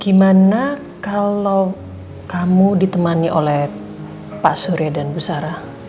gimana kalau kamu ditemani oleh pak surya dan bu sarah